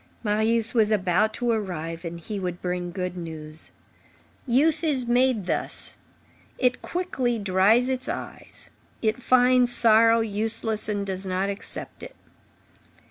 Marius was about to arrive, and he would bring good news. Youth is made thus; it quickly dries its eyes; it finds sorrow useless and does not accept it.